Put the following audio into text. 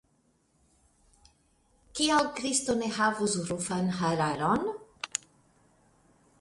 Kial Kristo ne havus rufa hararon?